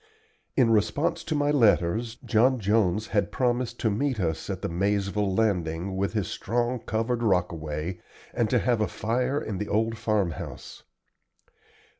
In response to my letters John Jones had promised to meet us at the Maizeville Landing with his strong covered rockaway, and to have a fire in the old farmhouse.